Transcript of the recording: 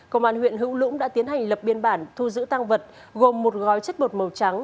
công an huyện hữu lũng đã tiến hành lập biên bản thu giữ tăng vật gồm một gói chất bột màu trắng